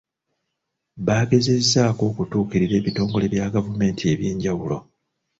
Bagezezzaako okutuukirira ebitongole bya gavumenti eby'enjawulo.